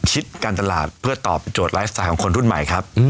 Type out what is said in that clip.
คิดการตลาดเพื่อตอบโจทย์ไลฟ์สไตล์ของคนรุ่นใหม่ครับ